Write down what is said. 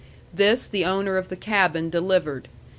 This the owner of the cabin delivered.